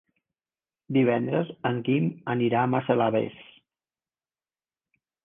Divendres en Guim anirà a Massalavés.